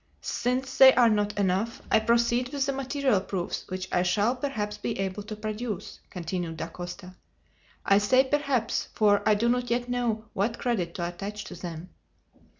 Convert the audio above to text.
"Since they are not enough, I proceed with the material proofs which I shall perhaps be able to produce," continued Dacosta; "I say perhaps, for I do not yet know what credit to attach to them.